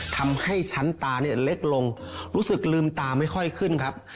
ทำให้ชั้นตาเนี่ยเล็กลงรู้สึกลืมตาไม่ค่อยขึ้นครับ